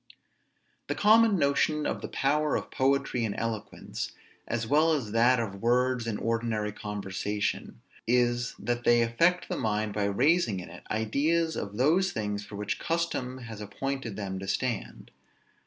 The common notion of the power of poetry and eloquence, as well as that of words in ordinary conversation, is, that they affect the mind by raising in it ideas of those things for which custom has appointed them to stand.